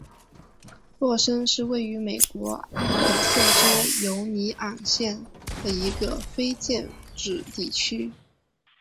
洛森是位于美国阿肯色州犹尼昂县的一个非建制地区。